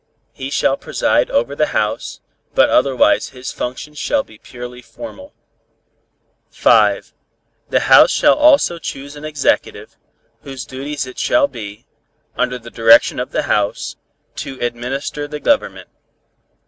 He shall preside over the House, but otherwise his functions shall be purely formal. 5. The House shall also choose an Executive, whose duties it shall be, under the direction of the House, to administer the Government.